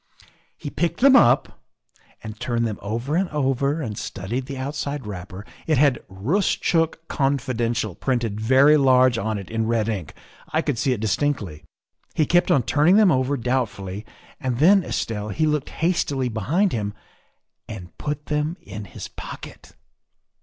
" He picked them up and turned them over and over and studied the outside wrapper. It had ' Roostchook Confidential,' printed very large on it in red ink; I could see it distinctly. He kept on turning them over doubtfully, and then, Estelle, he looked hastily behind him and put them in his pocket.